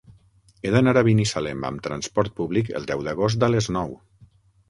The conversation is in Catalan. He d'anar a Binissalem amb transport públic el deu d'agost a les nou.